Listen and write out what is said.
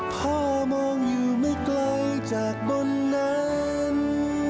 พ่อมองอยู่ไม่ไกลจากบนนั้น